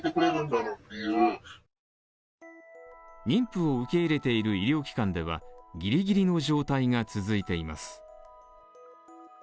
妊婦を受け入れている医療機関ではギリギリの状態が続いています。